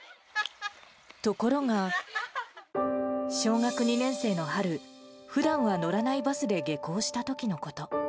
ところが、小学２年生の春、ふだんは乗らないバスで下校したときのこと。